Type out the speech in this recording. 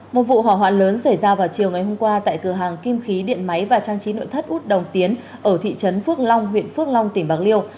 một vụ hỏa hoạn lớn xảy ra vào chiều ngày hôm qua tại cửa hàng kim khí điện máy và trang trí nội thất út đồng tiến ở thị trấn phước long huyện phước long tỉnh bạc liêu